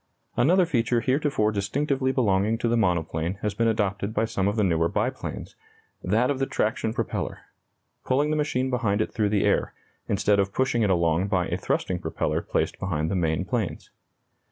Another feature heretofore distinctively belonging to the monoplane has been adopted by some of the newer biplanes, that of the traction propeller pulling the machine behind it through the air, instead of pushing it along by a thrusting propeller placed behind the main planes.